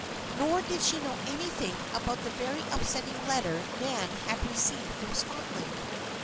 Nor did she know anything about the very upsetting letter Nan had received from Scotland.